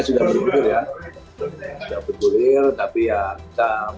sudah berhenti tapi ya kita mempunyai satu kejadian yang memang semuanya tidak berhasil